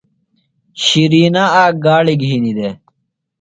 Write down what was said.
شِرینہ آک گاڑیۡ گِھینیۡ دےۡ۔